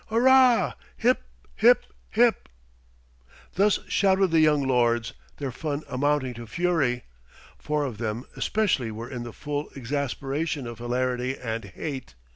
Hurrah! hip! hip! hip!" Thus shouted the young lords, their fun amounting to fury. Four of them especially were in the full exasperation of hilarity and hate.